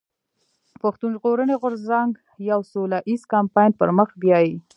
پښتون ژغورني غورځنګ يو سوله ايز کمپاين پر مخ بيايي.